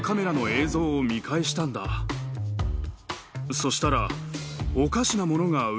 そしたら。